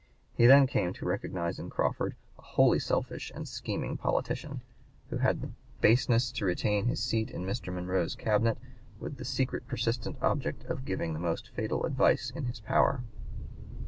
He then came to recognize in Crawford a wholly selfish (p. 155) and scheming politician, who had the baseness to retain his seat in Mr. Monroe's Cabinet with the secret persistent object of giving the most fatal advice in his power.